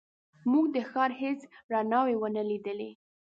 موږ د ښار هېڅ رڼاوې ونه لیدلې.